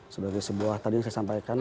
sebagai sebuah tadi yang saya sampaikan